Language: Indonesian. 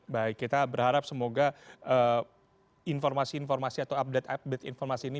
baik kita berharap semoga informasi informasi atau update update informasi ini